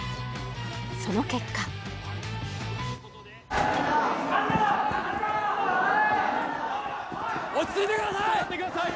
その結果落ち着いてください！